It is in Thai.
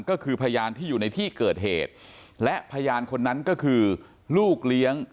ก็คือพยานที่อยู่ในที่เกิดเหตุและพยานคนนั้นก็คือลูกเลี้ยง